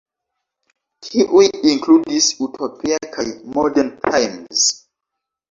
Tiuj inkludis "Utopia" kaj "Modern Times.